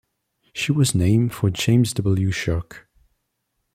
She was named for James W. Shirk.